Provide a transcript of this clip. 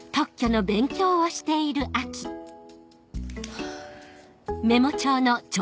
ハァ。